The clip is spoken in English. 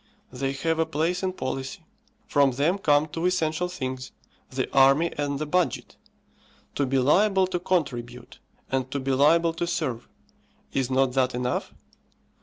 They have a place in policy; from them come two essential things, the army and the budget. To be liable to contribute, and to be liable to serve; is not that enough?